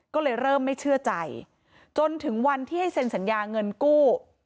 ก็เลยเริ่มไม่เชื่อใจจนถึงวันที่ให้เซ็นสัญญาเงินกู้